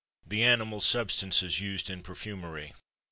THE ANIMAL SUBSTANCES USED IN PERFUMERY.